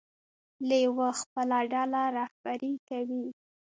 لیوه خپله ډله رهبري کوي.